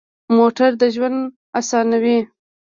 موټر د ژوند اسانوي.